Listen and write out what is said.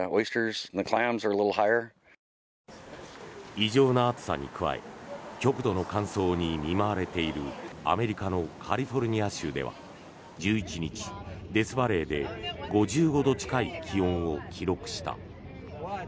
異常な暑さに加え極度の乾燥に見舞われているアメリカのカリフォルニア州では１１日、デスバレーで５５度近い気温を記録した。